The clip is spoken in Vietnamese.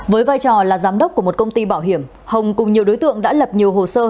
với vai trò là giám đốc của một công ty bảo hiểm hồng cùng nhiều đối tượng đã lập nhiều hồ sơ